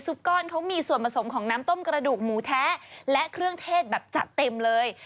ก้อนเขามีส่วนผสมของน้ำต้มกระดูกหมูแท้และเครื่องเทศแบบจัดเต็มเลย